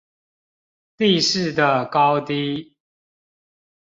地勢的高低